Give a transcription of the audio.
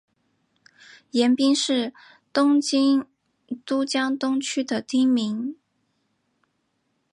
盐滨是东京都江东区的町名。